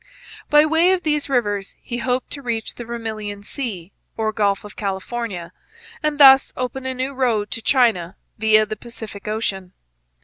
By way of these rivers he hoped to reach the Vermilion Sea, or Gulf of California, and thus open a new road to China via the Pacific ocean.